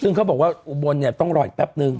ซึ่งเขาบอกว่าอุบลเนี่ยต้องรออีกแป๊บนึง